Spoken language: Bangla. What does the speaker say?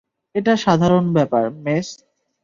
এটা সাধারণ ব্যাপার, মেস।